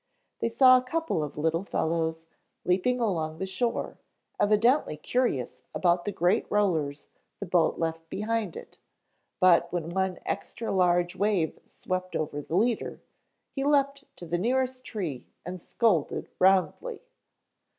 They saw a couple of little fellows leaping along the shore evidently curious about the great rollers the boat left behind it, but when one extra large wave swept over the leader, he leaped to the nearest tree and scolded roundly.